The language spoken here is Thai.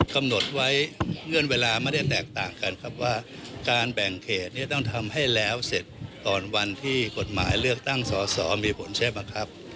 กำหนดไว้เงื่อนเวลาไม่ได้แตกต่างกันครับว่าการแบ่งเขตเนี่ยต้องทำให้แล้วเสร็จก่อนวันที่กฎหมายเลือกตั้งสอสอมีผลใช่ไหมครับ